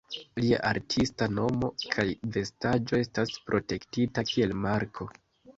Lia artista nomo kaj vestaĵo estas protektita kiel marko.